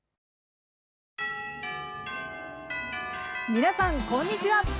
皆さん、こんにちは。